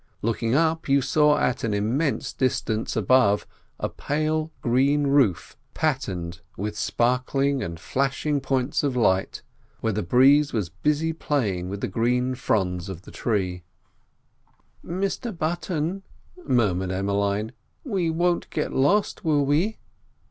Looking up you saw at an immense distance above a pale green roof patined with sparkling and flashing points of light, where the breeze was busy playing with the green fronds of the trees. "Mr Button," murmured Emmeline, "we won't get lost, will we?"